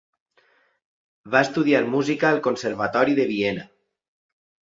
Va estudiar música al Conservatori de Viena.